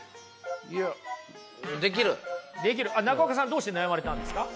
中岡さんどうして悩まれたんですか？